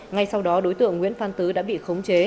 ngay sau đó đối tượng nguyễn phan tứ đã bị khống chế